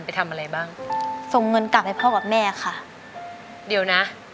ไปทำอะไรบ้างส่งเงินกลับให้พ่อกับแม่ค่ะเดี๋ยวนะ